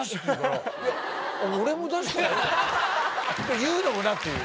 言うのもなっていう。